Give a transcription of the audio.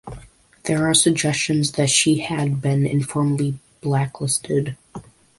There are suggestions that she had been informally blacklisted.